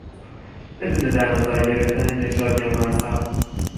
بدون در نظر گرفتن نژاد یا مذهب